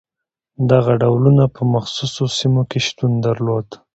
دغو ډولونه په مخصوصو سیمو کې شتون درلود.